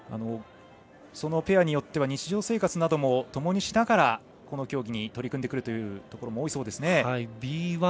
ペアによっては日常生活などもともにしながらこの競技に取り組んでくるという方も多いそうですね。